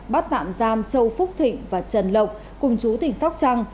bắt tạm giam châu phúc thịnh và trần lộc cùng chú tỉnh sóc trăng